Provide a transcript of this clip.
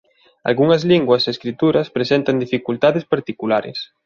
Algunhas linguas e escrituras presentan dificultades particulares.